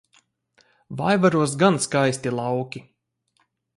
Vaivaros gan skaisti lauki!